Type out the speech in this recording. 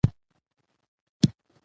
که حلال رزق وګټو نو اولاد نه بد کیږي.